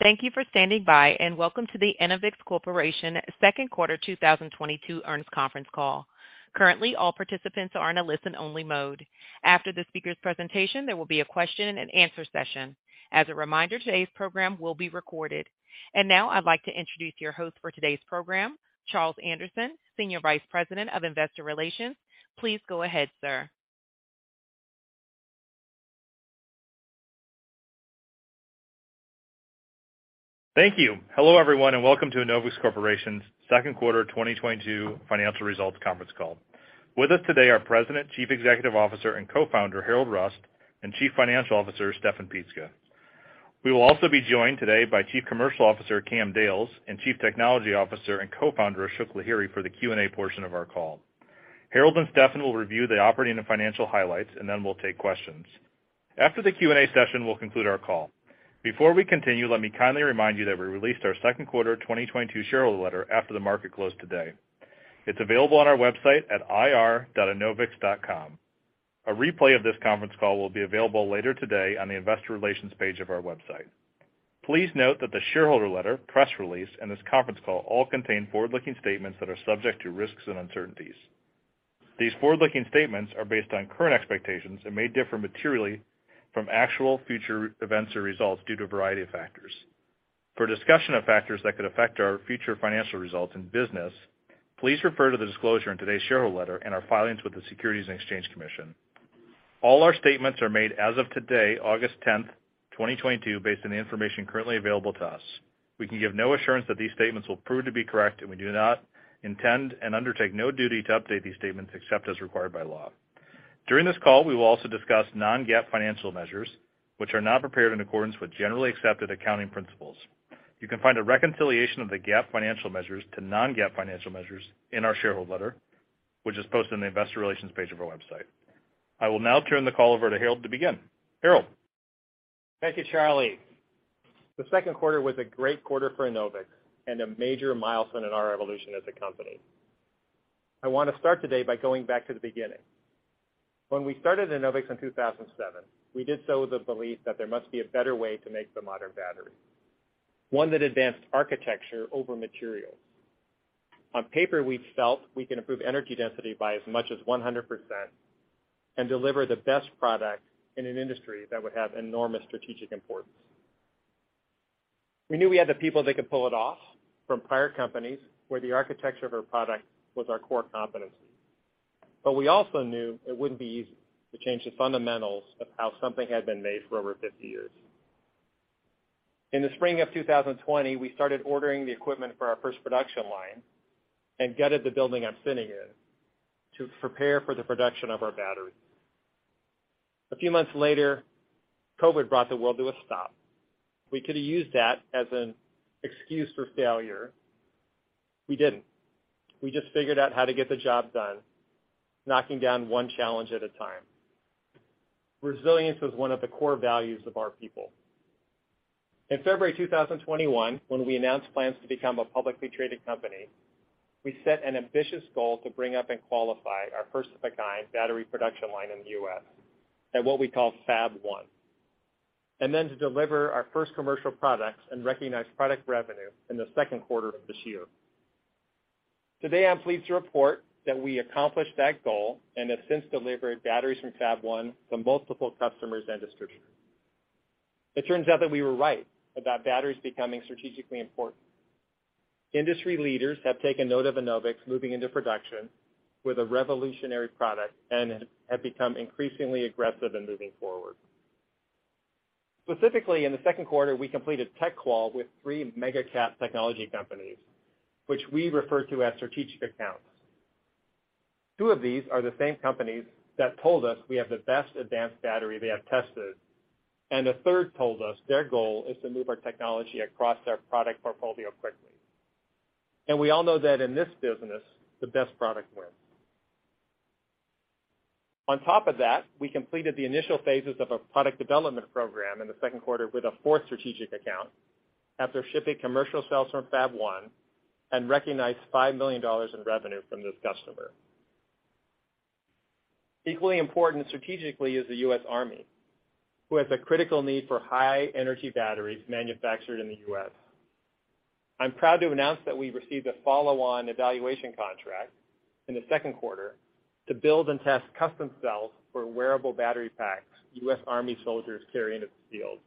Thank you for standing by and welcome to the Enovix Corporation Second Quarter 2022 earnings conference call. Currently, all participants are in a listen-only mode. After the speaker's presentation, there will be a question-and-answer session. As a reminder, today's program will be recorded. Now I'd like to introduce your host for today's program, Charles Anderson, Senior Vice President of Investor Relations. Please go ahead, sir. Thank you. Hello, everyone, and welcome to Enovix Corporation's Second Quarter 2022 financial results conference call. With us today are President, Chief Executive Officer, and Co-founder, Harrold Rust, and Chief Financial Officer, Steffen Pietzke. We will also be joined today by Chief Commercial Officer, Cam Dales, and Chief Technology Officer and Co-founder, Ashok Lahiri, for the Q&A portion of our call. Harrold and Steffen will review the operating and financial highlights, and then we'll take questions. After the Q&A session, we'll conclude our call. Before we continue, let me kindly remind you that we released our second quarter 2022 shareholder letter after the market closed today. It's available on our website at ir.enovix.com. A replay of this conference call will be available later today on the investor relations page of our website. Please note that the shareholder letter, press release, and this conference call all contain forward-looking statements that are subject to risks and uncertainties. These forward-looking statements are based on current expectations and may differ materially from actual future events or results due to a variety of factors. For a discussion of factors that could affect our future financial results and business, please refer to the disclosure in today's shareholder letter and our filings with the Securities and Exchange Commission. All our statements are made as of today, August 10th, 2022, based on the information currently available to us. We can give no assurance that these statements will prove to be correct, and we do not intend and undertake no duty to update these statements except as required by law. During this call, we will also discuss non-GAAP financial measures, which are not prepared in accordance with generally accepted accounting principles. You can find a reconciliation of the GAAP financial measures to non-GAAP financial measures in our shareholder letter, which is posted on the investor relations page of our website. I will now turn the call over to Harrold to begin. Harrold. Thank you, Charlie. The second quarter was a great quarter for Enovix and a major milestone in our evolution as a company. I want to start today by going back to the beginning. When we started Enovix in 2007, we did so with the belief that there must be a better way to make the modern battery, one that advanced architecture over materials. On paper, we felt we can improve energy density by as much as 100% and deliver the best product in an industry that would have enormous strategic importance. We knew we had the people that could pull it off from prior companies where the architecture of our product was our core competency. We also knew it wouldn't be easy to change the fundamentals of how something had been made for over 50 years. In the spring of 2020, we started ordering the equipment for our first production line and gutted the building I'm sitting in to prepare for the production of our battery. A few months later, COVID brought the world to a stop. We could have used that as an excuse for failure. We didn't. We just figured out how to get the job done, knocking down one challenge at a time. Resilience is one of the core values of our people. In February 2021, when we announced plans to become a publicly traded company, we set an ambitious goal to bring up and qualify our first-of-a-kind battery production line in the U.S. at what we call Fab-1, and then to deliver our first commercial products and recognize product revenue in the second quarter of this year. Today, I'm pleased to report that we accomplished that goal and have since delivered batteries from Fab-1 to multiple customers and distributors. It turns out that we were right about batteries becoming strategically important. Industry leaders have taken note of Enovix moving into production with a revolutionary product and have become increasingly aggressive in moving forward. Specifically, in the second quarter, we completed tech qual with three mega cap technology companies, which we refer to as strategic accounts. Two of these are the same companies that told us we have the best advanced battery they have tested, and a third told us their goal is to move our technology across their product portfolio quickly. We all know that in this business, the best product wins. On top of that, we completed the initial phases of a product development program in the second quarter with a fourth strategic account after shipping commercial cells from Fab-1 and recognized $5 million in revenue from this customer. Equally important strategically is the U.S. Army, who has a critical need for high-energy batteries manufactured in the U.S. I'm proud to announce that we received a follow-on evaluation contract in the second quarter to build and test custom cells for wearable battery packs U.S. Army soldiers carry into the field.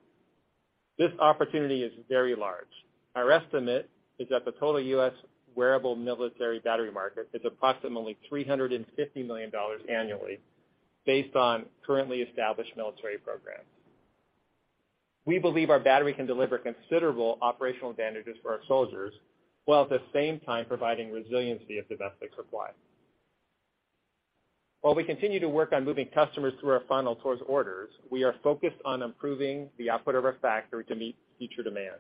This opportunity is very large. Our estimate is that the total U.S. wearable military battery market is approximately $350 million annually based on currently established military programs. We believe our battery can deliver considerable operational advantages for our soldiers while at the same time providing resiliency of domestic supply. While we continue to work on moving customers through our funnel towards orders, we are focused on improving the output of our factory to meet future demand.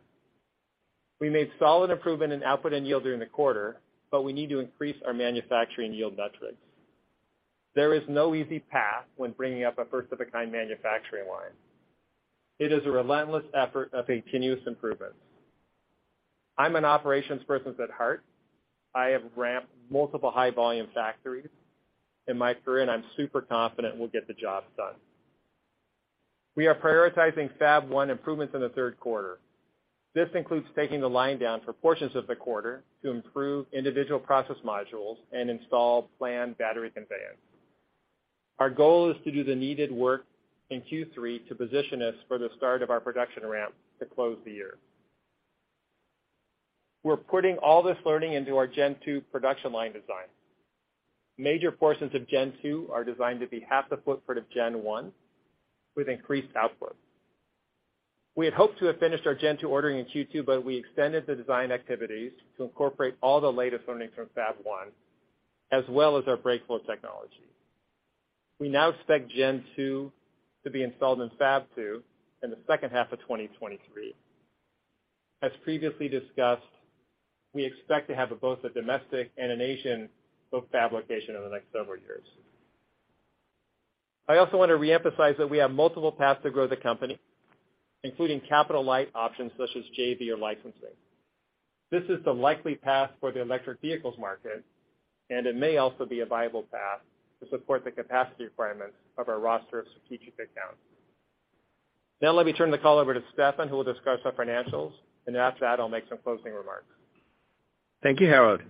We made solid improvement in output and yield during the quarter, but we need to increase our manufacturing yield metrics. There is no easy path when bringing up a first-of-its-kind manufacturing line. It is a relentless effort of continuous improvements. I'm an operations person at heart. I have ramped multiple high-volume factories in my career, and I'm super confident we'll get the job done. We are prioritizing Fab-1 improvements in the third quarter. This includes taking the line down for portions of the quarter to improve individual process modules and install planned battery conveyance. Our goal is to do the needed work in Q3 to position us for the start of our production ramp to close the year. We're putting all this learning into our Gen2 production line design. Major portions of Gen2 are designed to be half the footprint of Gen1 with increased output. We had hoped to have finished our Gen2 ordering in Q2, but we extended the design activities to incorporate all the latest learnings Fab-1, as well as our BrakeFlow technology. We now expect Gen2 to be installed in Fab-2 in the second half of 2023. As previously discussed, we expect to have both a domestic and an Asian fab location over the next several years. I also want to re-emphasize that we have multiple paths to grow the company, including capital-light options such as JV or licensing. This is the likely path for the electric vehicles market, and it may also be a viable path to support the capacity requirements of our roster of strategic accounts. Now let me turn the call over to Steffen, who will discuss our financials, and after that, I'll make some closing remarks. Thank you, Harrold.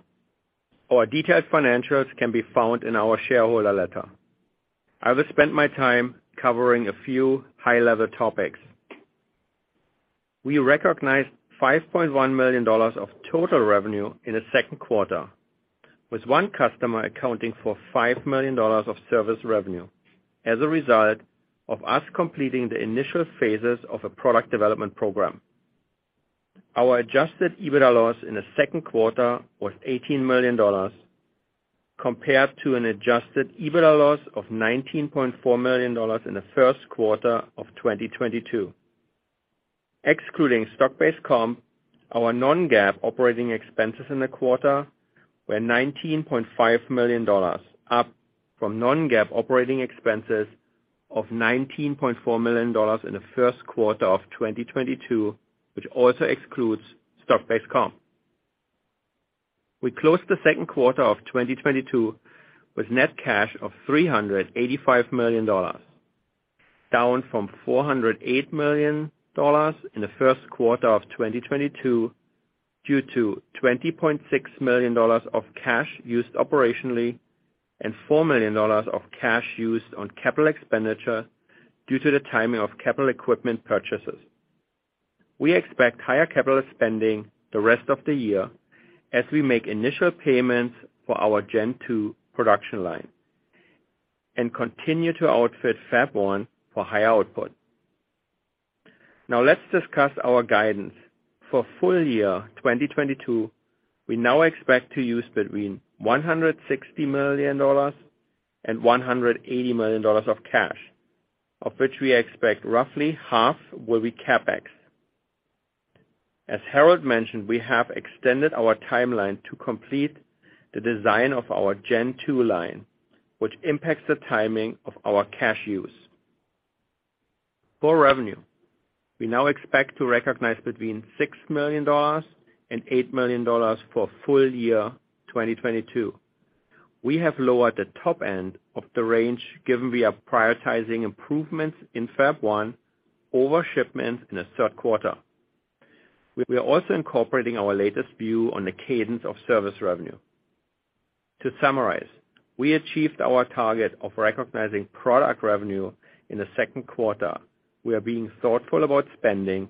Our detailed financials can be found in our shareholder letter. I will spend my time covering a few high-level topics. We recognized $5.1 million of total revenue in the second quarter, with one customer accounting for $5 million of service revenue as a result of us completing the initial phases of a product development program. Our Adjusted EBITDA loss in the second quarter was $18 million compared to an Adjusted EBITDA loss of $19.4 million in the first quarter of 2022. Excluding stock-based comp, our non-GAAP operating expenses in the quarter were $19.5 million, up from non-GAAP operating expenses of $19.4 million in the first quarter of 2022, which also excludes stock-based comp. We closed the second quarter of 2022 with net cash of $385 million, down from $408 million in the first quarter of 2022 due to $20.6 million of cash used operationally and $4 million of cash used on capital expenditure due to the timing of capital equipment purchases. We expect higher capital spending the rest of the year as we make initial payments for our Gen2 production line and continue to outfit Fab-1 for higher output. Now let's discuss our guidance. For full year 2022, we now expect to use between $160 million and $180 million of cash, of which we expect roughly half will be CapEx. As Harrold mentioned, we have extended our timeline to complete the design of our Gen2 line, which impacts the timing of our cash use. For revenue, we now expect to recognize between $6 million and $8 million for full year 2022. We have lowered the top end of the range, given we are prioritizing improvements in Fab-1 over shipments in the third quarter. We are also incorporating our latest view on the cadence of service revenue. To summarize, we achieved our target of recognizing product revenue in the second quarter. We are being thoughtful about spending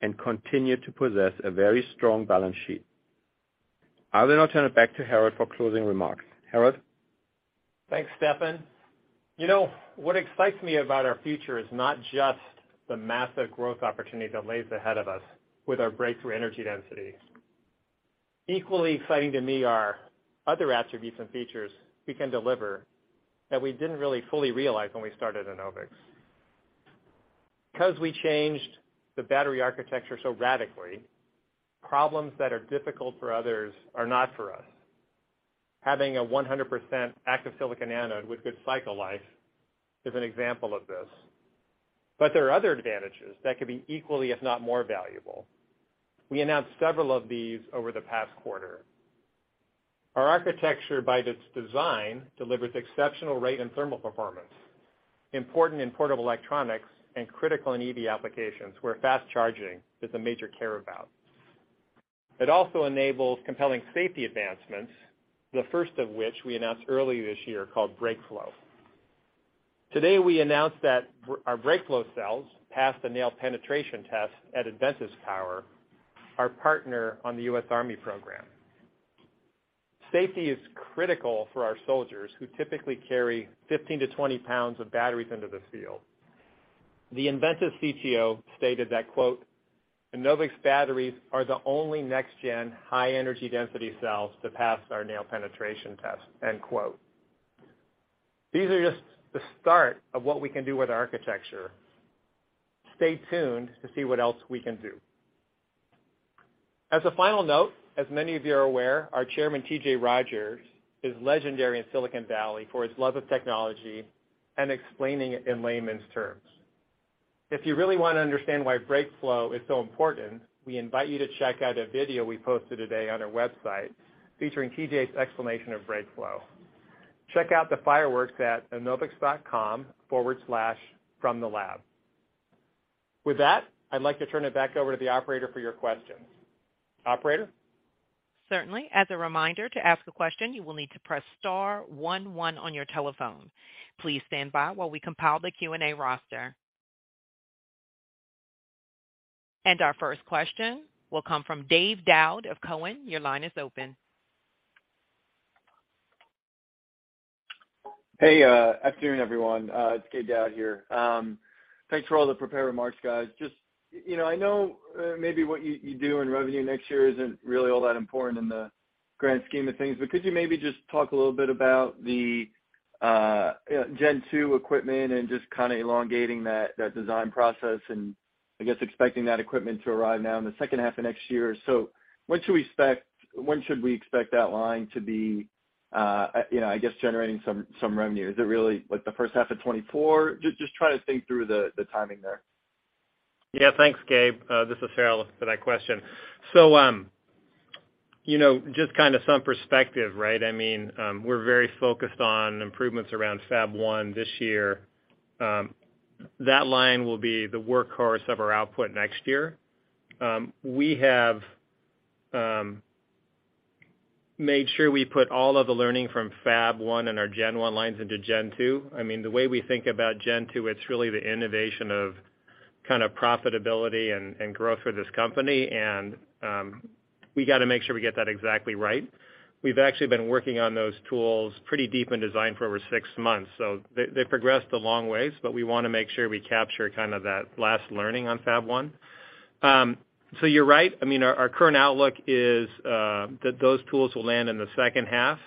and continue to possess a very strong balance sheet. I will now turn it back to Harrold for closing remarks. Harrold? Thanks, Steffen. You know, what excites me about our future is not just the massive growth opportunity that lies ahead of us with our breakthrough energy density. Equally exciting to me are other attributes and features we can deliver that we didn't really fully realize when we started Enovix. Because we changed the battery architecture so radically, problems that are difficult for others are not for us. Having a 100% active silicon anode with good cycle life is an example of this. But there are other advantages that could be equally, if not more valuable. We announced several of these over the past quarter. Our architecture, by its design, delivers exceptional rate and thermal performance, important in portable electronics and critical in EV applications where fast charging is a major care about. It also enables compelling safety advancements, the first of which we announced earlier this year called BrakeFlow. Today, we announced that our BrakeFlow cells passed the nail penetration test at Inventus Power, our partner on the US Army program. Safety is critical for our soldiers, who typically carry 15-20 lbs of batteries into the field. The Inventus Power CTO stated that, quote, "Enovix batteries are the only next gen high energy density cells to pass our nail penetration test." End quote. These are just the start of what we can do with architecture. Stay tuned to see what else we can do. As a final note, as many of you are aware, our chairman, TJ Rodgers, is legendary in Silicon Valley for his love of technology and explaining it in layman's terms. If you really want to understand why BrakeFlow is so important, we invite you to check out a video we posted today on our website featuring TJ's explanation of BrakeFlow. Check out the fireworks at enovix.com/fromthelab. With that, I'd like to turn it back over to the operator for your questions. Operator? Certainly. As a reminder, to ask a question, you will need to press star one one on your telephone. Please stand by while we compile the Q&A roster. Our first question will come from Gabe Daoud of Cowen. Your line is open. Hey, afternoon, everyone. It's Gabe Daoud here. Thanks for all the prepared remarks, guys. Just, you know, I know maybe what you do in revenue next year isn't really all that important in the grand scheme of things, but could you maybe just talk a little bit about the Gen2 equipment and just kinda elongating that design process and I guess expecting that equipment to arrive now in the second half of next year. When should we expect that line to be, you know, I guess, generating some revenue? Is it really like the first half of 2024? Just trying to think through the timing there. Yeah, thanks, Gabe. This is Harrold for that question. You know, just kind of some perspective, right? I mean, we're very focused on improvements around Fab-1 this year. That line will be the workhorse of our output next year. We have made sure we put all of the learning from Fab-1 and our Gen1 lines into Gen2. I mean, the way we think about Gen2, it's really the innovation of kind of profitability and growth for this company. We got to make sure we get that exactly right. We've actually been working on those tools pretty deep in design for over six months, so they progressed a long ways. We wanna make sure we capture kind of that last learning on Fab-1. You're right. I mean, our current outlook is that those tools will land in the second half.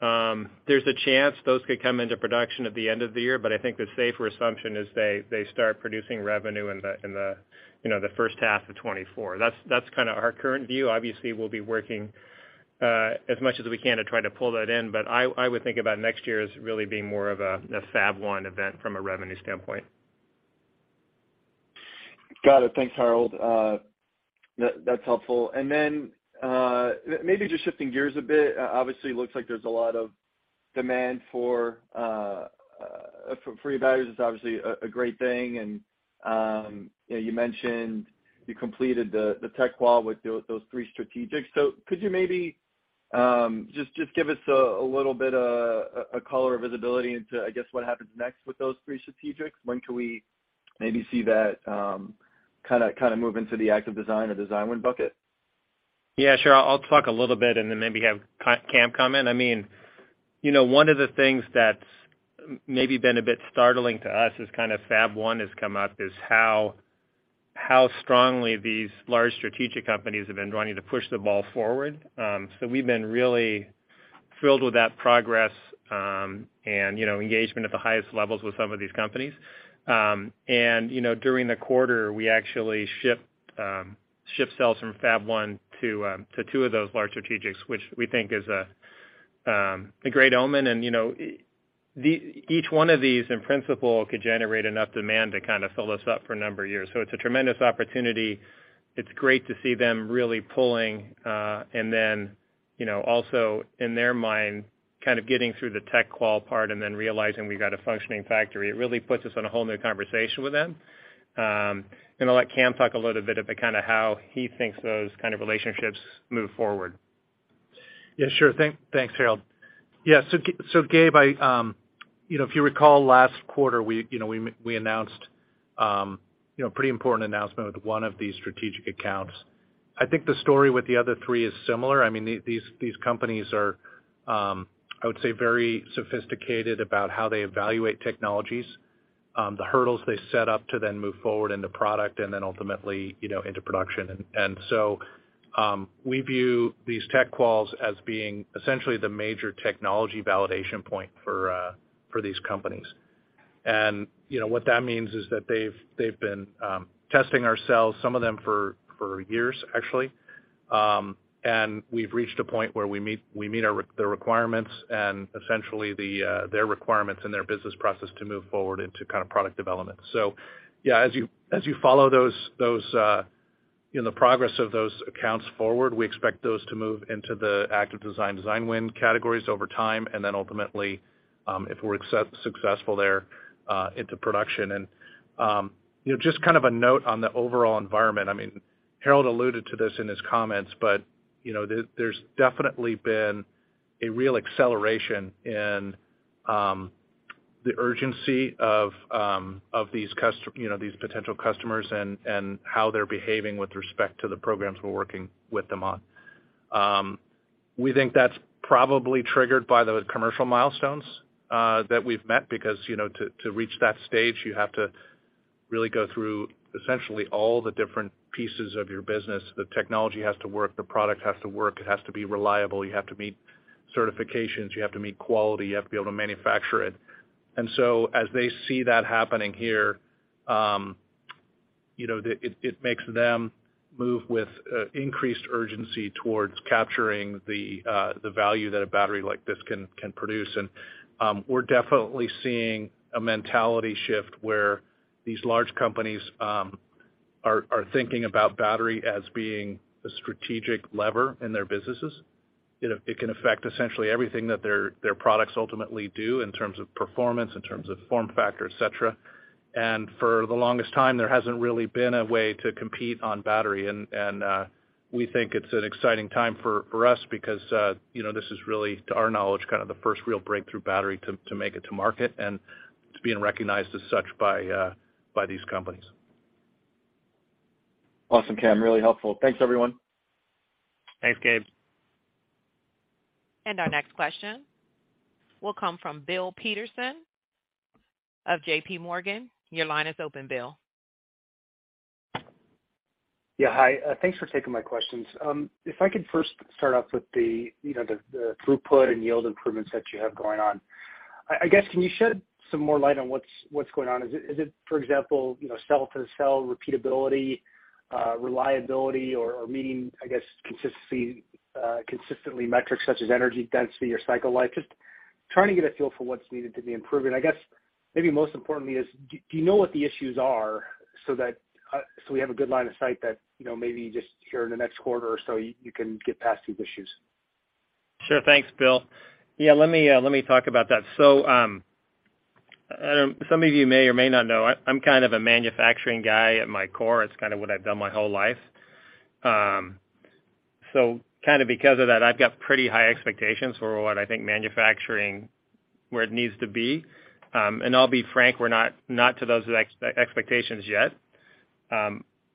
There's a chance those could come into production at the end of the year, but I think the safer assumption is they start producing revenue in the, you know, the first half of 2024. That's kind of our current view. Obviously, we'll be working as much as we can to try to pull that in, but I would think about next year as really being more of a Fab-1 event from a revenue standpoint. Got it. Thanks, Harrold. That's helpful. Then, maybe just shifting gears a bit, obviously looks like there's a lot of demand for EV batteries, which is obviously a great thing. You mentioned you completed the Tech Qual with those three strategics. Could you maybe just give us a little bit of a color or visibility into, I guess, what happens next with those three strategics? When can we maybe see that kind of move into the active design or design win bucket? Yeah, sure. I'll talk a little bit and then maybe have Cam comment. I mean, you know, one of the things that's maybe been a bit startling to us as kind of Fab-1 has come up is how strongly these large strategic companies have been wanting to push the ball forward. So we've been really thrilled with that progress, and, you know, engagement at the highest levels with some of these companies. And you know, during the quarter, we actually shipped cells from Fab-1 to 2 of those large strategics, which we think is a great omen. And, you know, each one of these in principle could generate enough demand to kind of fill us up for a number of years. It's a tremendous opportunity. It's great to see them really pulling, and then, you know, also in their mind, kind of getting through the Tech Qual part and then realizing we got a functioning factory. It really puts us in a whole new conversation with them. I'll let Cam talk a little bit about kind of how he thinks those kind of relationships move forward. Yeah, sure. Thanks, Harrold. Yeah, so Gabe, you know, if you recall last quarter, we announced, you know, pretty important announcement with one of these strategic accounts. I think the story with the other three is similar. I mean, these companies are, I would say, very sophisticated about how they evaluate technologies, the hurdles they set up to then move forward into product and then ultimately, you know, into production. We view these tech quals as being essentially the major technology validation point for these companies. You know, what that means is that they've been testing our cells, some of them for years, actually. We've reached a point where we meet the requirements and essentially their requirements and their business process to move forward into kind of product development. As you follow those, you know, the progress of those accounts forward, we expect those to move into the active design win categories over time. Then ultimately, if we're successful there, into production. You know, just kind of a note on the overall environment, I mean, Harrold alluded to this in his comments, but you know, there's definitely been a real acceleration in the urgency of you know, these potential customers and how they're behaving with respect to the programs we're working with them on. We think that's probably triggered by those commercial milestones that we've met because, you know, to reach that stage, you have to really go through essentially all the different pieces of your business. The technology has to work, the product has to work, it has to be reliable. You have to meet certifications, you have to meet quality, you have to be able to manufacture it. As they see that happening here. You know, it makes them move with increased urgency towards capturing the value that a battery like this can produce. We're definitely seeing a mentality shift where these large companies are thinking about battery as being a strategic lever in their businesses. It can affect essentially everything that their products ultimately do in terms of performance, in terms of form factor, et cetera. For the longest time, there hasn't really been a way to compete on battery, and we think it's an exciting time for us because you know, this is really, to our knowledge, kind of the first real breakthrough battery to make it to market and it's being recognized as such by these companies. Awesome, Cam, really helpful. Thanks, everyone. Thanks, Gabe. Our next question will come from Bill Peterson of JPMorgan. Your line is open, Bill. Yeah, hi. Thanks for taking my questions. If I could first start off with the, you know, the throughput and yield improvements that you have going on. I guess, can you shed some more light on what's going on? Is it, for example, you know, cell-to-cell repeatability, reliability or meeting, I guess, consistency, consistently metrics such as energy density or cycle life? Just trying to get a feel for what's needed to be improved. I guess maybe most importantly is do you know what the issues are so that we have a good line of sight that, you know, maybe just here in the next quarter or so you can get past these issues? Sure. Thanks, Bill. Yeah, let me talk about that. Some of you may or may not know, I'm kind of a manufacturing guy at my core. It's kind of what I've done my whole life. Kind of because of that, I've got pretty high expectations for what I think manufacturing, where it needs to be. I'll be frank, we're not to those expectations yet.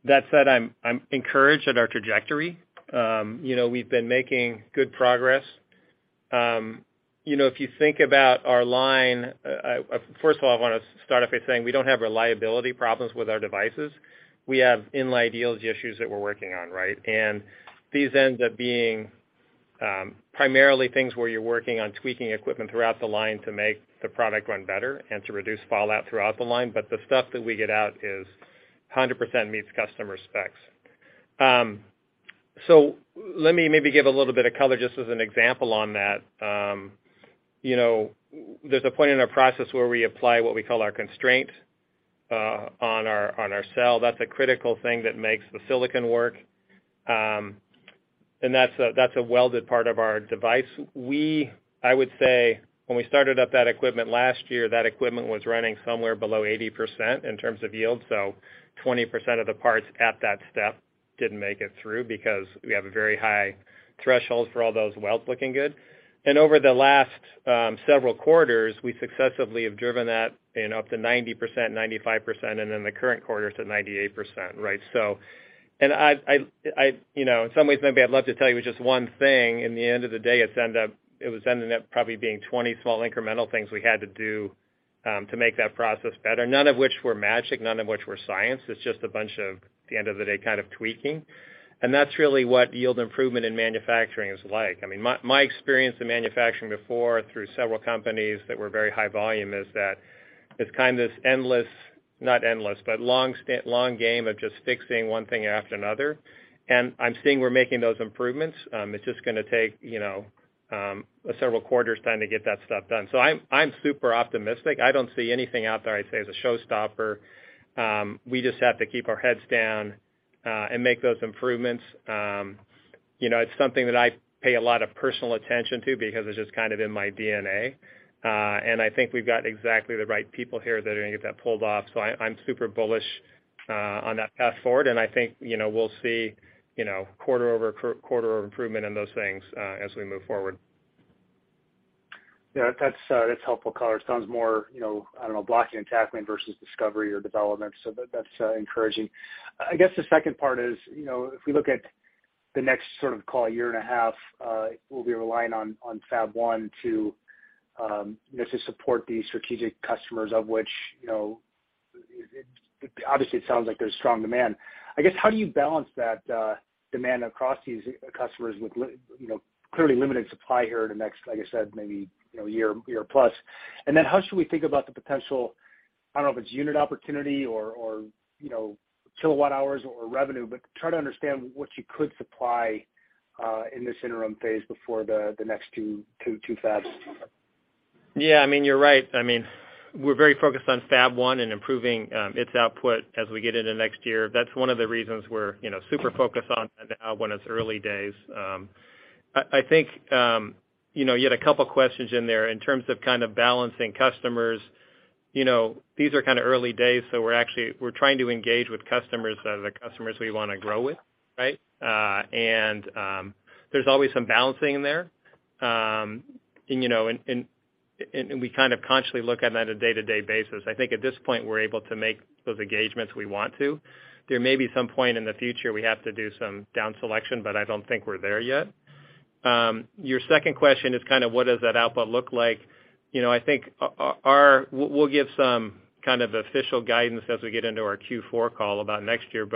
That said, I'm encouraged at our trajectory. You know, we've been making good progress. You know, if you think about our line, first of all, I wanna start off by saying we don't have reliability problems with our devices. We have in-line yield issues that we're working on, right? These end up being primarily things where you're working on tweaking equipment throughout the line to make the product run better and to reduce fallout throughout the line. The stuff that we get out is 100% meets customer specs. Let me maybe give a little bit of color just as an example on that. You know, there's a point in our process where we apply what we call our constraint on our cell. That's a critical thing that makes the silicon work. That's a welded part of our device. I would say when we started up that equipment last year, that equipment was running somewhere below 80% in terms of yield. 20% of the parts at that step didn't make it through because we have a very high threshold for all those welds looking good. Over the last several quarters, we successfully have driven that in up to 90%, 95%, and then the current quarter to 98%, right? I've you know, in some ways, maybe I'd love to tell you it was just one thing. In the end of the day, it was ending up probably being 20 small incremental things we had to do to make that process better. None of which were magic, none of which were science. It's just a bunch of, at the end of the day, kind of tweaking. That's really what yield improvement in manufacturing is like. I mean, my experience in manufacturing before through several companies that were very high volume is that it's kind of this long game of just fixing one thing after another. I'm seeing we're making those improvements. It's just gonna take, you know, several quarters time to get that stuff done. I'm super optimistic. I don't see anything out there I'd say is a showstopper. We just have to keep our heads down and make those improvements. You know, it's something that I pay a lot of personal attention to because it's just kind of in my DNA. I think we've got exactly the right people here that are gonna get that pulled off. I'm super bullish on that path forward, and I think, you know, we'll see, you know, quarter-over-quarter improvement in those things as we move forward. Yeah. That's helpful color. It sounds more, you know, I don't know, blocking and tackling versus discovery or development. That's encouraging. I guess the second part is, you know, if we look at the next sort of, call it a year and a half, we'll be relying on Fab-1 to, you know, to support these strategic customers, of which, you know, it obviously sounds like there's strong demand. I guess, how do you balance that demand across these customers with you know, clearly limited supply here in the next, like I said, maybe, you know, year plus? Then how should we think about the potential? I don't know if it's unit opportunity or you know, kilowatt hours or revenue, but try to understand what you could supply in this interim phase before the next two fabs. Yeah. I mean, you're right. I mean, we're very focused on Fab-1 and improving its output as we get into next year. That's one of the reasons we're, you know, super focused on it now when it's early days. I think you know, you had a couple questions in there in terms of kind of balancing customers. You know, these are kind of early days, so we're trying to engage with customers that are the customers we wanna grow with, right? There's always some balancing there. You know, we kind of consciously look at it on a day-to-day basis. I think at this point, we're able to make those engagements we want to. There may be some point in the future we have to do some down selection, but I don't think we're there yet. Your second question is kind of what does that output look like. You know, I think we'll give some kind of official guidance as we get into our Q4 call about next year.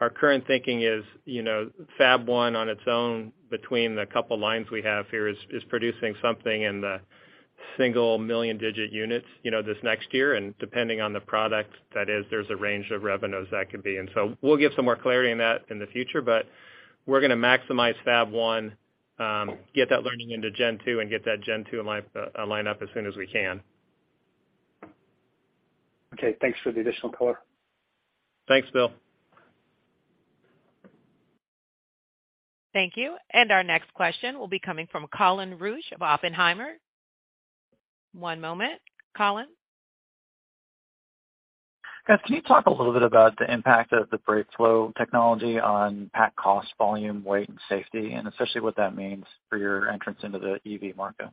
Our current thinking is, you know, Fab-1 on its own, between the couple lines we have here, is producing something in the single-digit million units, you know, this next year, and depending on the product that is, there's a range of revenues that could be. We'll give some more clarity on that in the future, but we're gonna maximize Fab-1, get that learning into Gen2 and get that Gen2 in line up as soon as we can. Okay, thanks for the additional color. Thanks, Bill. Thank you. Our next question will be coming from Colin Rusch of Oppenheimer. One moment, Colin. Guys, can you talk a little bit about the impact of the BrakeFlow technology on pack cost, volume, weight, and safety, and especially what that means for your entrance into the EV market?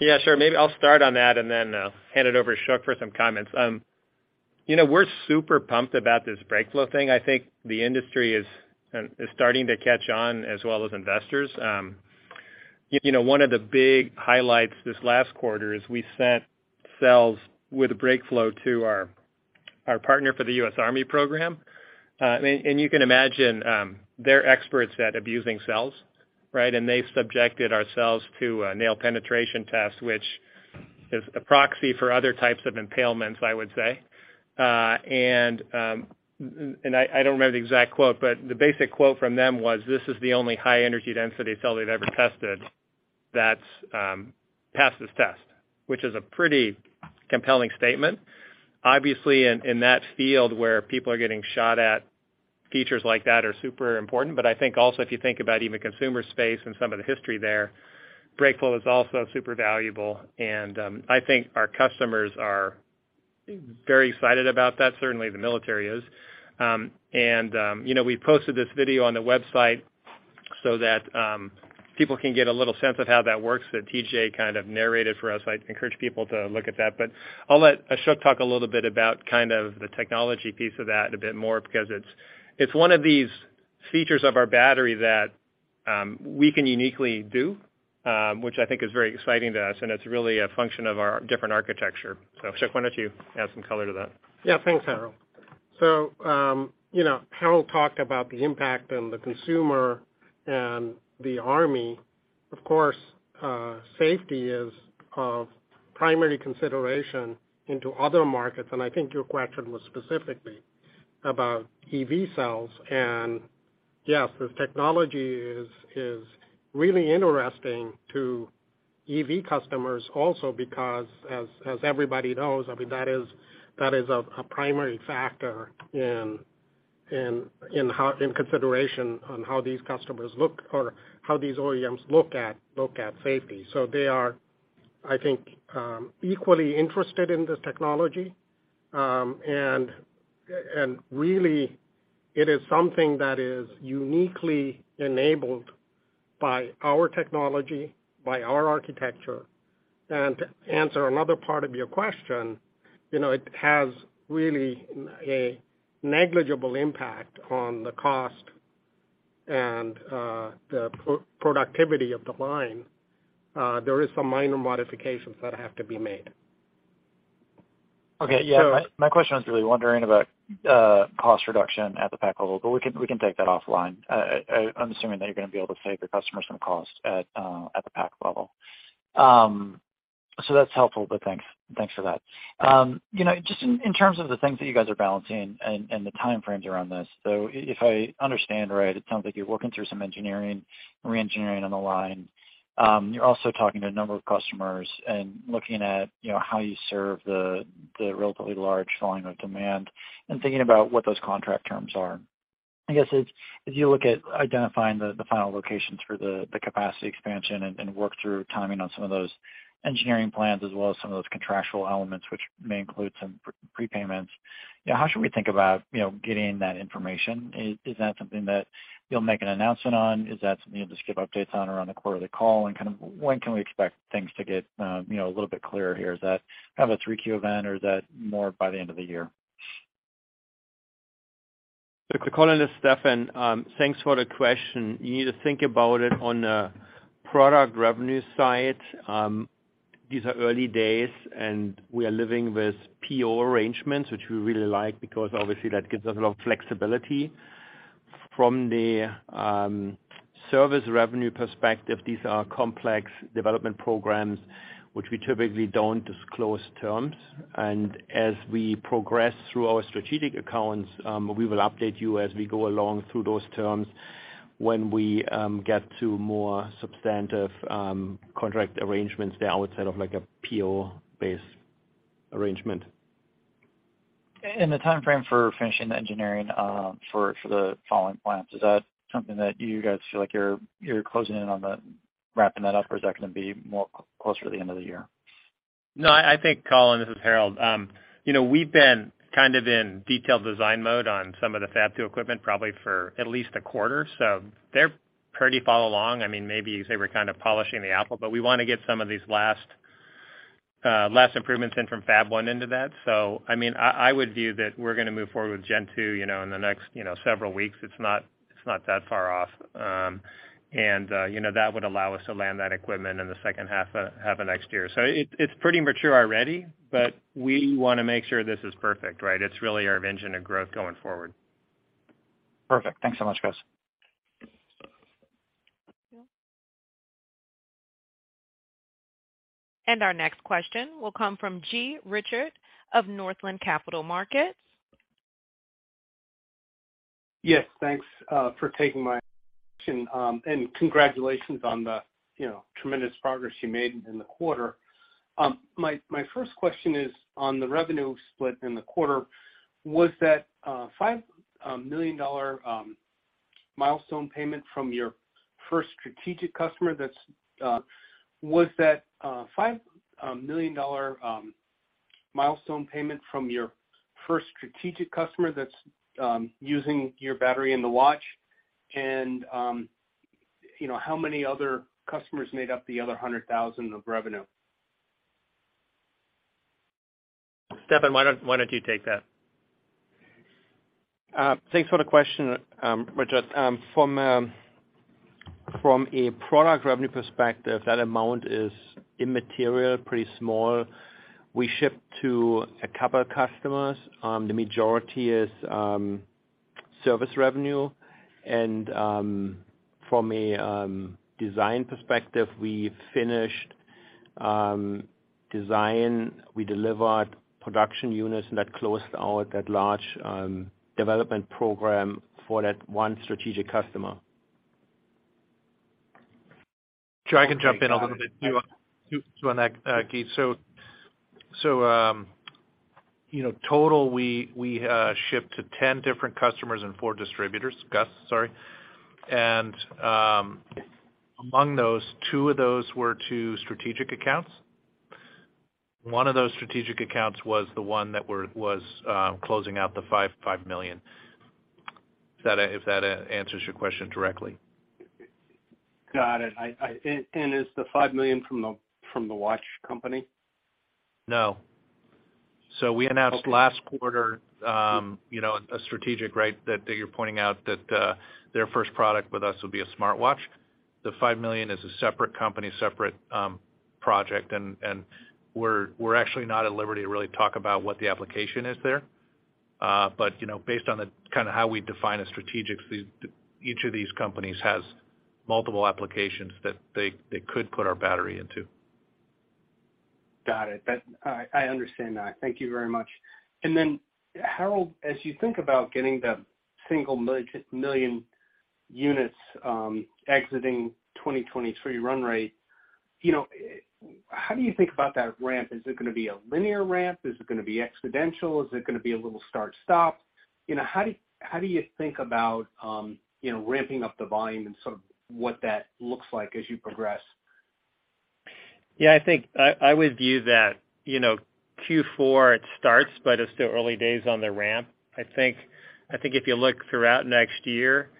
Yeah, sure. Maybe I'll start on that and then hand it over to Shok for some comments. You know, we're super pumped about this BrakeFlow thing. I think the industry is starting to catch on as well as investors. You know, one of the big highlights this last quarter is we sent cells with a BrakeFlow to our partner for the U.S. Army program. You can imagine, they're experts at abusing cells, right? They subjected ourselves to a nail penetration test, which is a proxy for other types of impalements, I would say. I don't remember the exact quote, but the basic quote from them was, "This is the only high energy density cell they've ever tested that passed this test," which is a pretty compelling statement. Obviously, in that field where people are getting shot at, features like that are super important. I think also if you think about even consumer space and some of the history there, BrakeFlow is also super valuable and, I think our customers are very excited about that, certainly the military is. You know, we posted this video on the website so that people can get a little sense of how that works, that TJ kind of narrated for us. I'd encourage people to look at that. I'll let Shok talk a little bit about kind of the technology piece of that a bit more because it's one of these features of our battery that we can uniquely do, which I think is very exciting to us, and it's really a function of our different architecture. Shok, why don't you add some color to that? Yeah. Thanks, Harrold. You know, Harrold talked about the impact on the consumer and the Army. Of course, safety is of primary consideration in other markets, and I think your question was specifically about EV cells. Yes, this technology is really interesting to EV customers also because as everybody knows, I mean, that is a primary factor in consideration on how these customers look or how these OEMs look at safety. They are, I think, equally interested in this technology. Really it is something that is uniquely enabled by our technology, by our architecture. To answer another part of your question, you know, it has really a negligible impact on the cost and the productivity of the line. There is some minor modifications that have to be made. Okay. Yeah. So- My question was really wondering about cost reduction at the pack level, but we can take that offline. I'm assuming that you're gonna be able to save your customers some cost at the pack level. So that's helpful, but thanks for that. You know, just in terms of the things that you guys are balancing and the timeframes around this, so if I understand right, it sounds like you're working through some engineering, re-engineering on the line. You're also talking to a number of customers and looking at, you know, how you serve the relatively large volume of demand and thinking about what those contract terms are. I guess as you look at identifying the final locations for the capacity expansion and work through timing on some of those engineering plans as well as some of those contractual elements which may include some prepayments, you know, how should we think about, you know, getting that information? Is that something that you'll make an announcement on? Is that something you'll just give updates on around the quarterly call, and kind of when can we expect things to get, you know, a little bit clearer here? Is that kind of a 3Q event or is that more by the end of the year? Colin, this is Steffen. Thanks for the question. You need to think about it on a product revenue side. These are early days, and we are living with PO arrangements, which we really like because obviously that gives us a lot of flexibility. From the service revenue perspective, these are complex development programs which we typically don't disclose terms. As we progress through our strategic accounts, we will update you as we go along through those terms when we get to more substantive contract arrangements there outside of like a PO-based arrangement. The timeframe for finishing the engineering, for the following plans, is that something that you guys feel like you're closing in on the wrapping that up, or is that gonna be more closer to the end of the year? No, I think, Colin, this is Harrold. You know, we've been kind of in detailed design mode on some of the Fab-2 equipment probably for at least a quarter, so they're pretty far along. I mean, maybe you say we're kind of polishing the apple, but we wanna get some of these last improvements in from Fab-1 into that. So I mean, I would view that we're gonna move forward with Gen2, you know, in the next, you know, several weeks. It's not that far off. And, you know, that would allow us to land that equipment in the second half of next year. So it's pretty mature already, but we wanna make sure this is perfect, right? It's really our engine of growth going forward. Perfect. Thanks so much, guys. Our next question will come from Gus Richard of Northland Capital Markets. Yes, thanks for taking my question, and congratulations on the, you know, tremendous progress you made in the quarter. My first question is on the revenue split in the quarter. Was that $5 million milestone payment from your first strategic customer that's using your battery in the watch? And, you know, how many other customers made up the other $100,000 of revenue? Steffen, why don't you take that? Thanks for the question, Richard. From a product revenue perspective, that amount is immaterial, pretty small. We ship to a couple of customers. The majority is service revenue. From a design perspective, we finished design. We delivered production units, and that closed out that large development program for that one strategic customer. Sure, I can jump in a little bit, too, on that, Gus. You know, total, we shipped to 10 different customers and 4 distributors. Gus, sorry. Among those, two of those were two strategic accounts. One of those strategic accounts was the one that was closing out the $5 million. If that answers your question directly. Got it. Is the $5 million from the watch company? No. We announced last quarter, you know, a strategic, right, that you're pointing out that their first product with us will be a smartwatch. The $5 million is a separate company, separate project. We're actually not at liberty to really talk about what the application is there. You know, based on the kind of how we define a strategic, each of these companies has multiple applications that they could put our battery into. Got it. I understand that. Thank you very much. Then, Harrold, as you think about getting the 1 million units, exiting 2023 run rate, you know, how do you think about that ramp? Is it gonna be a linear ramp? Is it gonna be exponential? Is it gonna be a little start-stop? You know, how do you think about ramping up the volume and sort of what that looks like as you progress? Yeah, I think I would view that, you know, Q4 it starts, but it's still early days on the ramp. I think if you look throughout next year,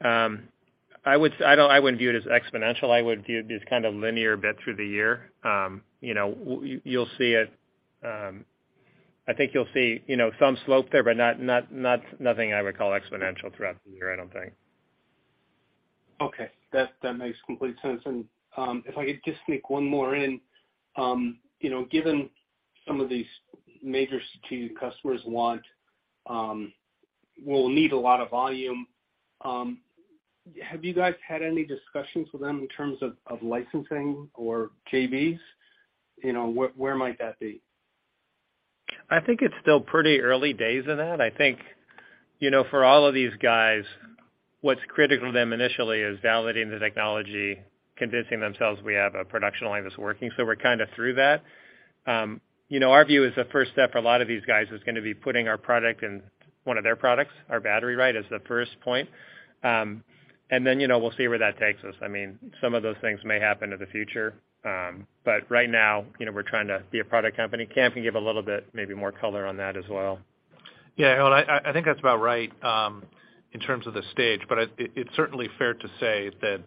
I wouldn't view it as exponential. I would view it as kind of linear but through the year. You know, you'll see it, I think you'll see, you know, some slope there, but not nothing I would call exponential throughout the year, I don't think. Okay, that makes complete sense. If I could just sneak one more in, you know, given some of these major strategic customers will need a lot of volume, have you guys had any discussions with them in terms of licensing or JVs? You know, where might that be? I think it's still pretty early days in that. I think, you know, for all of these guys, what's critical to them initially is validating the technology, convincing themselves we have a production line that's working. We're kind of through that. You know, our view is the first step for a lot of these guys is gonna be putting our product in one of their products, our battery, right, as the first point. You know, we'll see where that takes us. I mean, some of those things may happen in the future. Right now, you know, we're trying to be a product company. Cam can give a little bit maybe more color on that as well. Yeah, Harrold, I think that's about right, in terms of the stage. It's certainly fair to say that,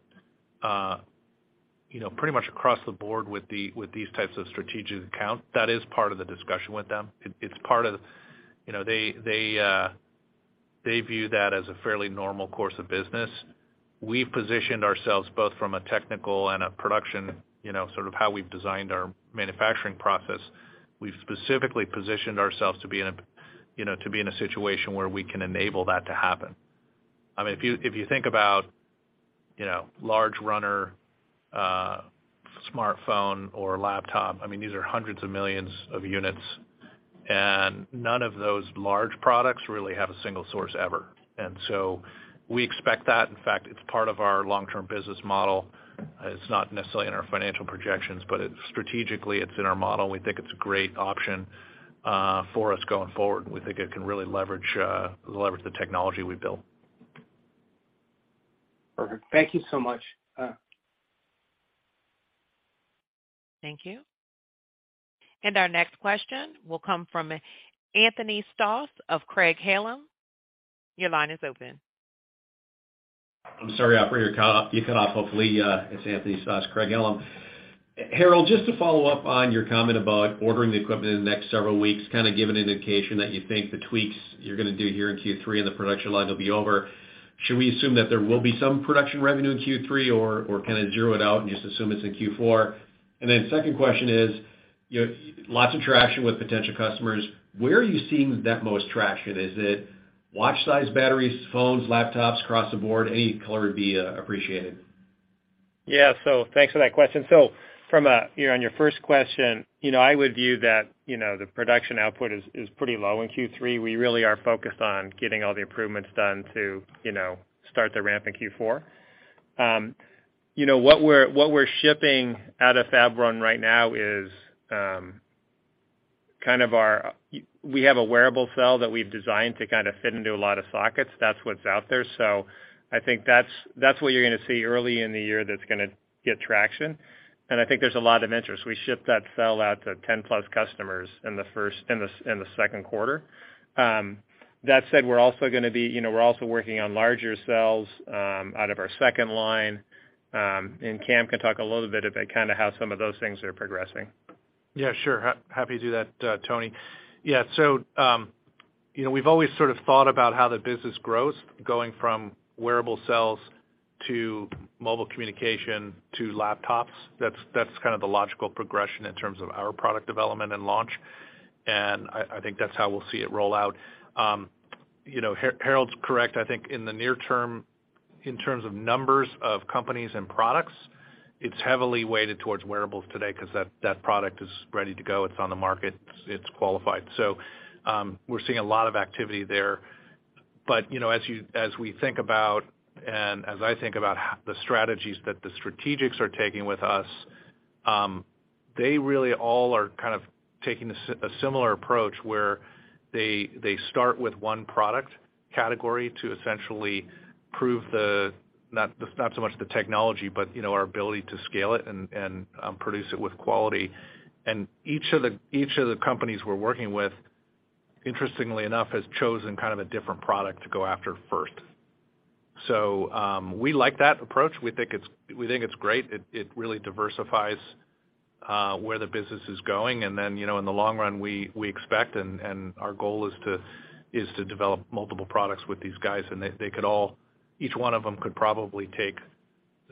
you know, pretty much across the board with these types of strategic accounts, that is part of the discussion with them. It's part of. You know, they view that as a fairly normal course of business. We've positioned ourselves both from a technical and a production, you know, sort of how we've designed our manufacturing process. We've specifically positioned ourselves to be in a situation where we can enable that to happen. I mean, if you think about, you know, large runner smartphone or laptop, I mean, these are hundreds of millions of units, and none of those large products really have a single source ever. We expect that. In fact, it's part of our long-term business model. It's not necessarily in our financial projections, but it's strategically in our model. We think it's a great option for us going forward. We think it can really leverage the technology we built. Perfect. Thank you so much. Thank you. Our next question will come from Anthony Stoss of Craig-Hallum. Your line is open. I'm sorry, Operator. You cut off, hopefully. It's Anthony Stoss, Craig-Hallum. Harrold, just to follow up on your comment about ordering the equipment in the next several weeks, kind of give an indication that you think the tweaks you're gonna do here in Q3 in the production line will be over. Should we assume that there will be some production revenue in Q3 or kind of zero it out and just assume it's in Q4? Then second question is, you know, lots of traction with potential customers. Where are you seeing the most traction? Is it watch size batteries, phones, laptops, across the board? Any color would be appreciated. Yeah. Thanks for that question. On your first question, you know, I would view that, you know, the production output is pretty low in Q3. We really are focused on getting all the improvements done to, you know, start the ramp in Q4. You know, what we're shipping out of fab run right now is kind of our— We have a wearable cell that we've designed to kind of fit into a lot of sockets. That's what's out there. I think that's what you're gonna see early in the year that's gonna get traction. I think there's a lot of interest. We ship that cell out to 10+ customers in the second quarter. That said, we're also working on larger cells out of our second line, and Cam can talk a little bit about kinda how some of those things are progressing. Yeah, sure. Happy to do that, Tony. Yeah. You know, we've always sort of thought about how the business grows, going from wearable cells to mobile communication to laptops. That's kind of the logical progression in terms of our product development and launch, and I think that's how we'll see it roll out. You know, Harrold's correct. I think in the near term, in terms of numbers of companies and products, it's heavily weighted towards wearables today because that product is ready to go. It's on the market, it's qualified. We're seeing a lot of activity there. You know, as we think about and as I think about the strategies that the strategics are taking with us, they really all are kind of taking a similar approach where they start with one product category to essentially prove, not so much the technology, but you know, our ability to scale it and produce it with quality. Each of the companies we're working with, interestingly enough, has chosen kind of a different product to go after first. We like that approach. We think it's great. It really diversifies where the business is going. You know, in the long run, we expect and our goal is to develop multiple products with these guys, and they could all, each one of them could probably take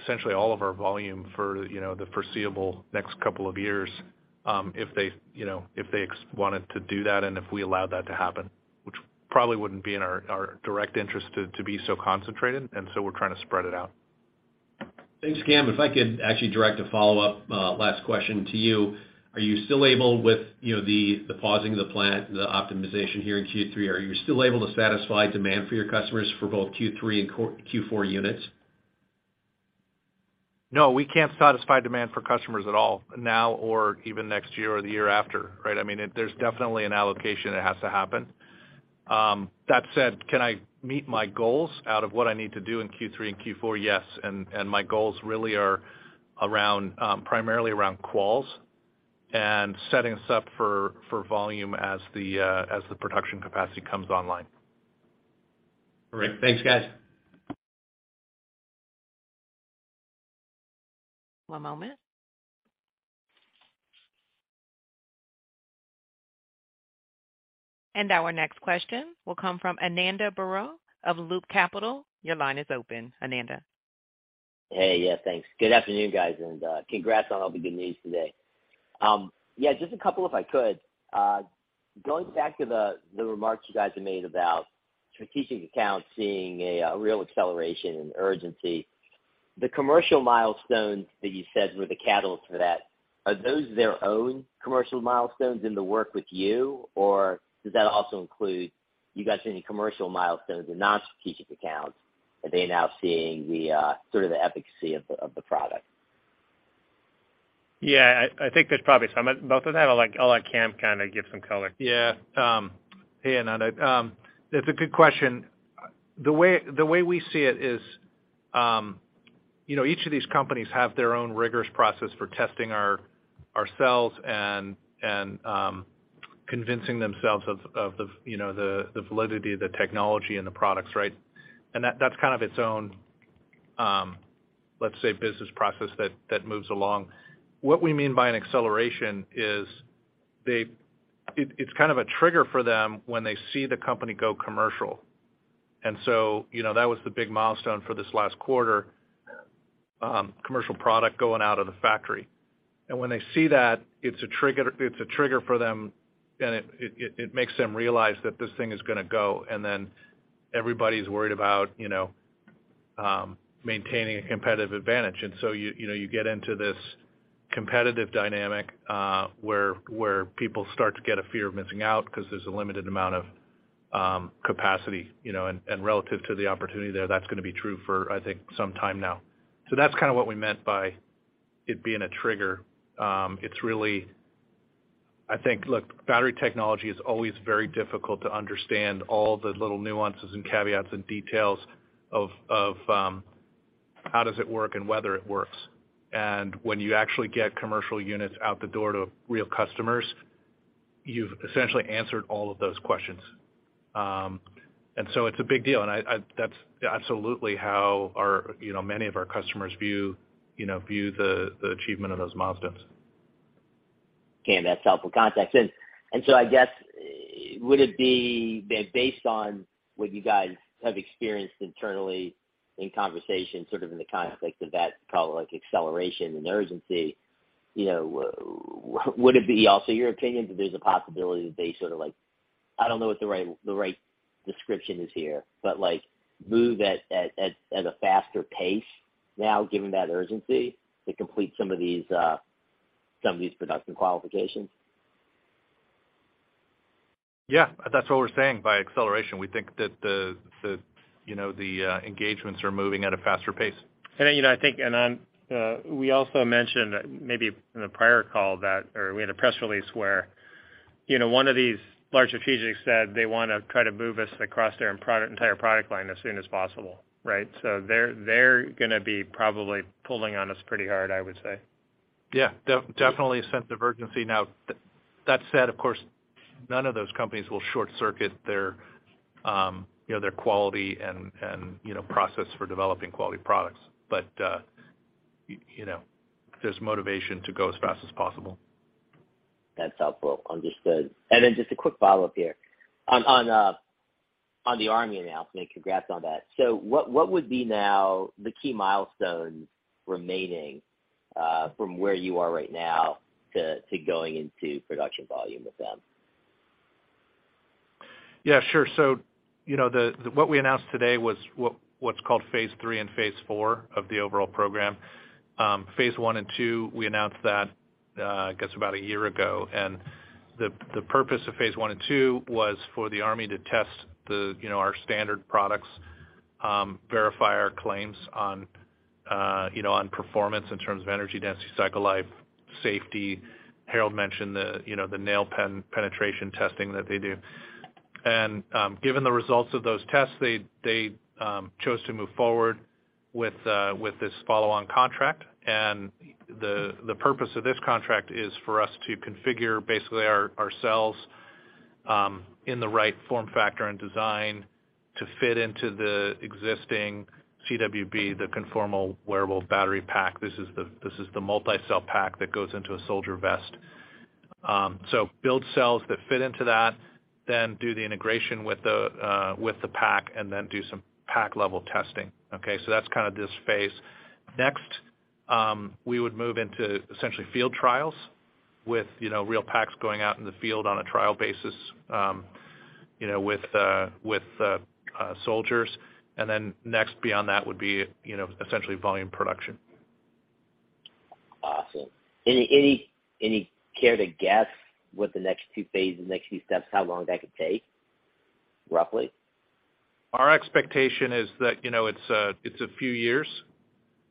essentially all of our volume for, you know, the foreseeable next couple of years, if they, you know, if they wanted to do that and if we allowed that to happen, which probably wouldn't be in our direct interest to be so concentrated, and so we're trying to spread it out. Thanks, Cam. If I could actually direct a follow-up, last question to you. Are you still able with, you know, the pausing of the plant, the optimization here in Q3, are you still able to satisfy demand for your customers for both Q3 and Q4 units? No, we can't satisfy demand for customers at all now or even next year or the year after, right? I mean, there's definitely an allocation that has to happen. That said, can I meet my goals out of what I need to do in Q3 and Q4? Yes. My goals really are around, primarily around quals and setting us up for volume as the production capacity comes online. All right. Thanks, guys. One moment. Our next question will come from Ananda Baruah of Loop Capital. Your line is open, Ananda. Hey. Yeah, thanks. Good afternoon, guys, and congrats on all the good news today. Yeah, just a couple, if I could. Going back to the remarks you guys have made about strategic accounts seeing a real acceleration and urgency. The commercial milestones that you said were the catalyst for that, are those their own commercial milestones in the work with you, or does that also include you guys doing commercial milestones in non-strategic accounts? Are they now seeing the sort of efficacy of the product? Yeah. I think there's probably some of both of that. I'll let Cam kind of give some color. Yeah. Hey, Ananda. That's a good question. The way we see it is, you know, each of these companies have their own rigorous process for testing our cells and convincing themselves of the validity of the technology and the products, right? That's kind of its own, let's say, business process that moves along. What we mean by an acceleration is it's kind of a trigger for them when they see the company go commercial. You know, that was the big milestone for this last quarter, commercial product going out of the factory. When they see that, it's a trigger for them, and it makes them realize that this thing is gonna go, and then everybody's worried about, you know, maintaining a competitive advantage. You know, you get into this competitive dynamic, where people start to get a fear of missing out because there's a limited amount of capacity, you know. Relative to the opportunity there, that's gonna be true for, I think, some time now. That's kind of what we meant by it being a trigger. It's really I think, look, battery technology is always very difficult to understand all the little nuances and caveats and details of how does it work and whether it works. When you actually get commercial units out the door to real customers, you've essentially answered all of those questions. It's a big deal. That's absolutely how our, you know, many of our customers view, you know, view the achievement of those milestones. Okay. That's helpful context. I guess, would it be based on what you guys have experienced internally in conversations sort of in the context of that, probably like acceleration and urgency, you know, would it be also your opinion that there's a possibility that they sort of like, I don't know what the right description is here, but like move at a faster pace now, given that urgency to complete some of these production qualifications? Yeah. That's what we're saying by acceleration. We think that the, you know, the engagements are moving at a faster pace. You know, I think we also mentioned maybe in the prior call that or we had a press release where, you know, one of these large strategics said they wanna try to move us across their entire product line as soon as possible, right? They're gonna be probably pulling on us pretty hard, I would say. Yeah. Definitely a sense of urgency now. That said, of course, none of those companies will short-circuit their, you know, their quality and, you know, process for developing quality products. You know, there's motivation to go as fast as possible. That's helpful. Understood. Just a quick follow-up here. On the Army announcement, congrats on that. What would be now the key milestones remaining from where you are right now to going into production volume with them? Yeah, sure. You know, what we announced today was what's called phase III and phase IV of the overall program. Phase I and II, we announced that, I guess about a year ago. The purpose of phase I and II was for the Army to test, you know, our standard products, verify our claims on, you know, on performance in terms of energy density, cycle life, safety. Harrold mentioned the, you know, the nail penetration testing that they do. Given the results of those tests, they chose to move forward with this follow-on contract. The purpose of this contract is for us to configure basically ourselves in the right form factor and design to fit into the existing CWB, the conformal wearable battery pack. This is the multi-cell pack that goes into a soldier vest. Build cells that fit into that, then do the integration with the pack, and then do some pack-level testing. Okay, that's kind of this phase. Next, we would move into essentially field trials with, you know, real packs going out in the field on a trial basis, you know, with soldiers. Next beyond that would be, you know, essentially volume production. Awesome. Any care to guess what the next two phases, the next few steps, how long that could take, roughly? Our expectation is that, you know, it's a few years.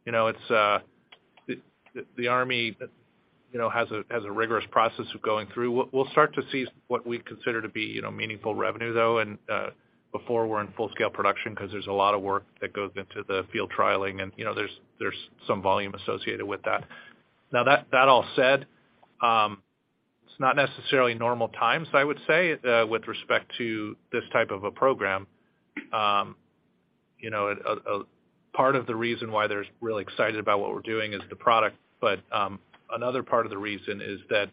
You know, it's the Army, you know, has a rigorous process of going through. We'll start to see what we consider to be, you know, meaningful revenue, though, and before we're in full scale production, because there's a lot of work that goes into the field trialing and, you know, there's some volume associated with that. Now, that all said, it's not necessarily normal times, I would say, with respect to this type of a program. You know, part of the reason why they're really excited about what we're doing is the product. Another part of the reason is that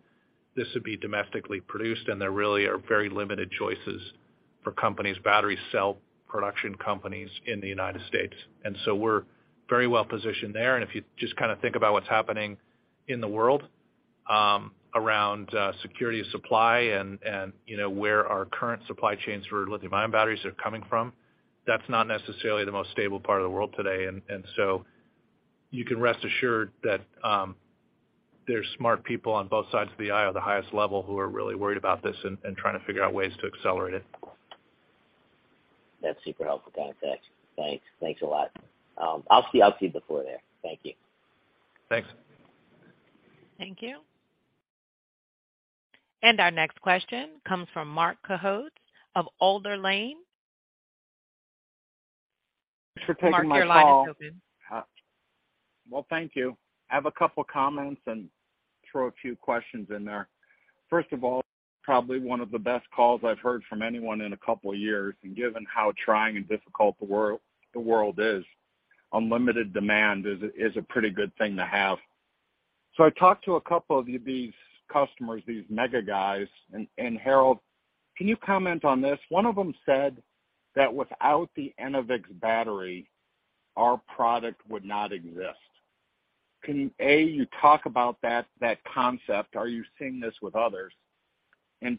this would be domestically produced, and there really are very limited choices for companies, battery cell production companies in the United States. We're very well positioned there. If you just kinda think about what's happening in the world around security of supply and, you know, where our current supply chains for lithium-ion batteries are coming from, that's not necessarily the most stable part of the world today. You can rest assured that there's smart people on both sides of the aisle at the highest level who are really worried about this and trying to figure out ways to accelerate it. That's super helpful context. Thanks. Thanks a lot. I'll see you before there. Thank you. Thanks. Thank you. Our next question comes from Marc Cohodes of Alder Lane. Thanks for taking my call. Marc, your line is open. Well, thank you. I have a couple of comments and throw a few questions in there. First of all, probably one of the best calls I've heard from anyone in a couple of years, and given how trying and difficult the world is, unlimited demand is a pretty good thing to have. I talked to a couple of these customers, these mega guys. Harrold, can you comment on this? One of them said that without the Enovix battery, our product would not exist. Can you talk about that concept, are you seeing this with others?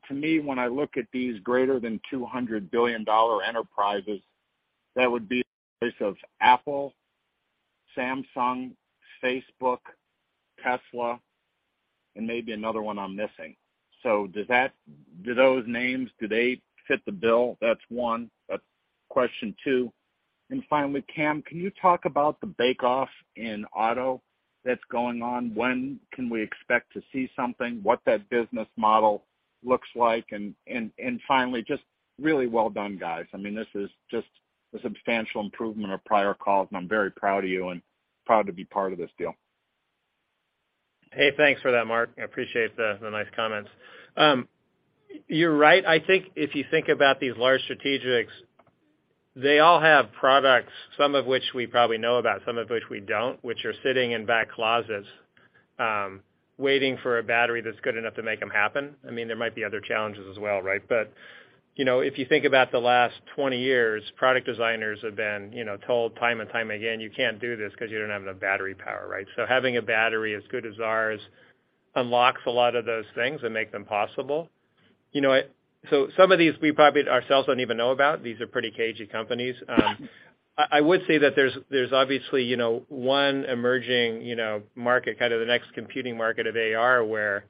To me, when I look at these greater than $200 billion enterprises, that would be Apple, Samsung, Facebook, Tesla, and maybe another one I'm missing. Do those names, do they fit the bill? That's one. Question two. Finally, Cam, can you talk about the bake off in auto that's going on? When can we expect to see something? What that business model looks like? Finally, just really well done, guys. I mean, this is just a substantial improvement of prior calls, and I'm very proud of you and proud to be part of this deal. Hey, thanks for that, Marc. I appreciate the nice comments. You're right. I think if you think about these large strategics. They all have products, some of which we probably know about, some of which we don't, which are sitting in back closets, waiting for a battery that's good enough to make them happen. I mean, there might be other challenges as well, right? You know, if you think about the last 20 years, product designers have been, you know, told time and time again, "You can't do this 'cause you don't have enough battery power," right? Having a battery as good as ours unlocks a lot of those things and make them possible. You know, some of these we probably ourselves don't even know about. These are pretty cagey companies. I would say that there's obviously, you know, one emerging, you know, market, kind of the next computing market of AR, where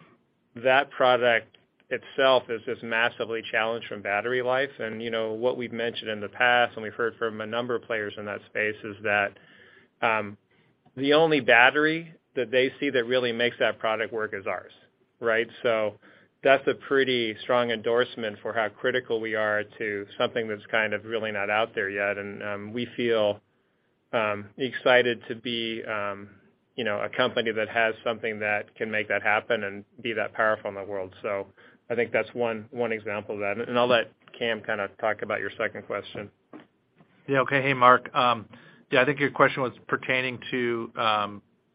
that product itself is just massively challenged from battery life. What we've mentioned in the past and we've heard from a number of players in that space is that the only battery that they see that really makes that product work is ours, right? That's a pretty strong endorsement for how critical we are to something that's kind of really not out there yet. We feel excited to be, you know, a company that has something that can make that happen and be that powerful in the world. I think that's one example of that. I'll let Cam kind of talk about your second question. Yeah, okay. Hey, Marc. Yeah, I think your question was pertaining to,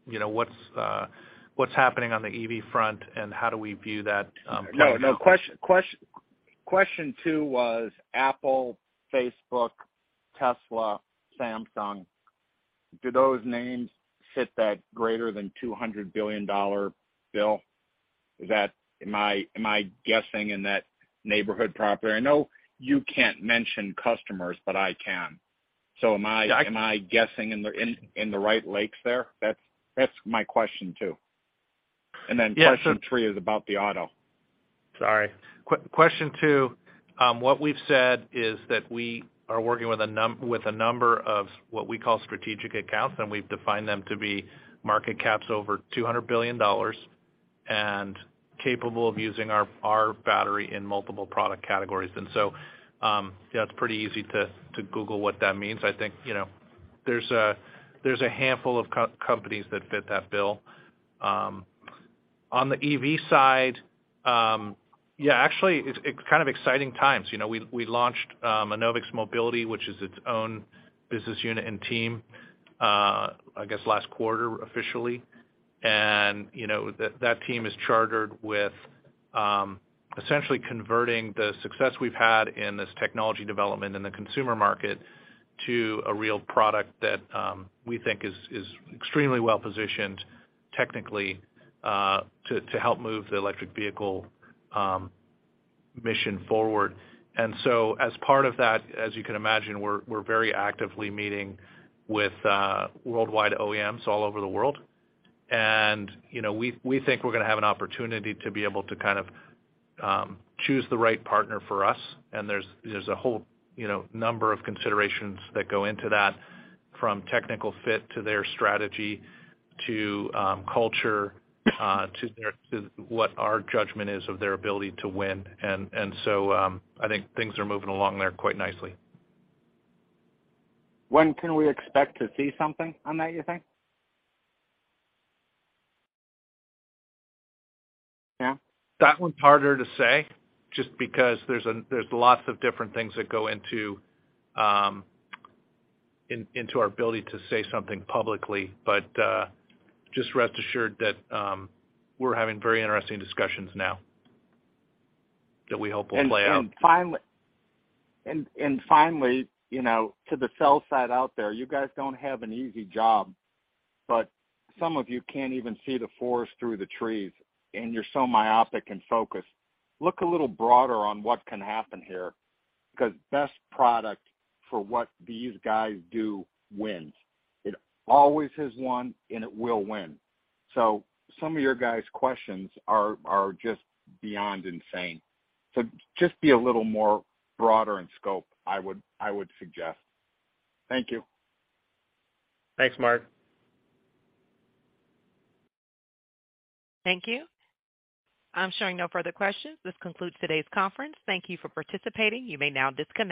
you know, what's happening on the EV front and how do we view that. No, no. Question two was Apple, Facebook, Tesla, Samsung. Do those names fit that greater than $200 billion? Is that am I guessing in that neighborhood properly? I know you can't mention customers, but I can. Am I Yeah. Am I guessing in the right lakes there? That's my question two. Then question three is about the auto. Sorry. Question two, what we've said is that we are working with a number of what we call strategic accounts, and we've defined them to be market caps over $200 billion and capable of using our battery in multiple product categories. It's pretty easy to Google what that means. I think, you know, there's a handful of companies that fit that bill. On the EV side, actually it's kind of exciting times. You know, we launched Enovix Mobility, which is its own business unit and team, I guess last quarter officially. You know, that team is chartered with essentially converting the success we've had in this technology development in the consumer market to a real product that we think is extremely well-positioned technically to help move the electric vehicle mission forward. As part of that, as you can imagine, we're very actively meeting with worldwide OEMs all over the world. You know, we think we're gonna have an opportunity to be able to kind of choose the right partner for us. There's a whole, you know, number of considerations that go into that, from technical fit to their strategy to culture to what our judgment is of their ability to win. I think things are moving along there quite nicely. When can we expect to see something on that, you think? Cam? That one's harder to say just because there's lots of different things that go into our ability to say something publicly. Just rest assured that we're having very interesting discussions now that we hope will play out. Finally, you know, to the sell side out there, you guys don't have an easy job, but some of you can't even see the forest through the trees, and you're so myopic and focused. Look a little broader on what can happen here, 'cause best product for what these guys do wins. It always has won, and it will win. Some of your guys' questions are just beyond insane. Just be a little more broader in scope, I would suggest. Thank you. Thanks, Marc. Thank you. I'm showing no further questions. This concludes today's conference. Thank you for participating. You may now disconnect.